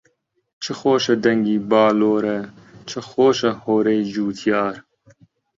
چ خۆشە دەنگی باللۆرە، چ خۆشە هۆوەرەی جوتیار